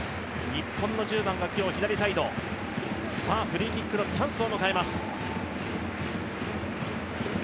日本の１０番が今日、左サイド、フリーキックのチャンスを迎えます。